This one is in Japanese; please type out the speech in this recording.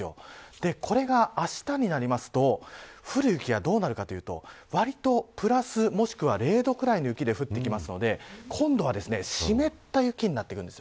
これが、あしたになると降る雪がどうなるかというとわりとプラスもしくは０度くらいの雪で降ってくるので今度は湿った雪になってきます。